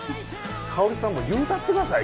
かほりさんも言うたってください